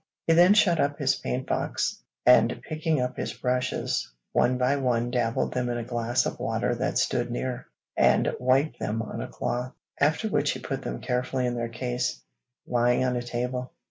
He then shut up his paint box, and picking up his brushes one by one dabbled them in a glass of water that stood near, and wiped them on a cloth, after which he put them carefully in their case, lying on a table.